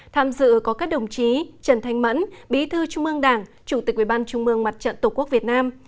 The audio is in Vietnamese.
tham dự có các đồng chí trần thanh mẫn bí thư trung mương đảng chủ tịch ủy ban trung mương mặt trận tổ quốc việt nam